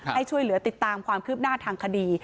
ให้ช่วยเหลือติดตามความคืบหน้าทางคดี